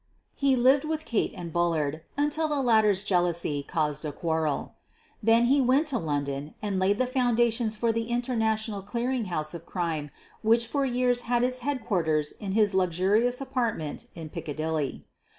He lived with Kate and Bullard until the latter 's jealousy caused a 4G SOPHIE LYONS quarrel. Then he went to London and laid the foundations for the international clearing house of crime which for years had its headquarters in his luxurious apartment in Piccadilly.